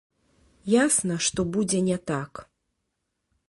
Ясна, што будзе не так.